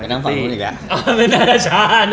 ไปนั่งฝั่งมันอีกละ